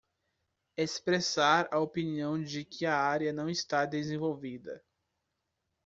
Expressar a opinião de que a área não está desenvolvida